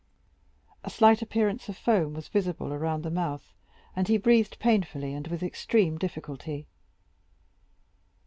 A slight appearance of foam was visible around the mouth, and he breathed painfully, and with extreme difficulty.